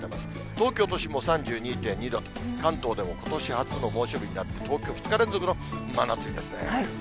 東京都心も３２．２度と、関東でもことし初の猛暑日になって、東京、２日連続の真夏日ですね。